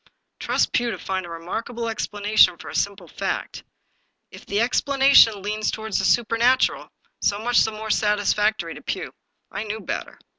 Trust Pugh to find a remarkable explanation for a sim ple fact ; if the explanation leans toward the supernatural, so much the more satisfactory to Pugh. I knew better.